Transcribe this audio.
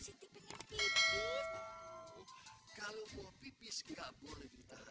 siti pengen pipis kalau mau pipis enggak boleh gitu ya